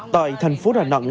tại thành phố đà nẵng